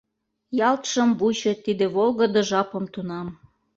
Ялт шым вучо Тиде волгыдо жапым тунам.